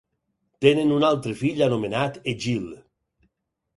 Tenen un altre fill anomenat Egil.